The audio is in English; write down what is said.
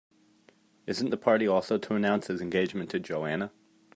Isn't the party also to announce his engagement to Joanna?